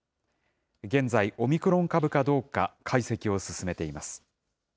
現在、オミクロン株かどうか解析を進めています。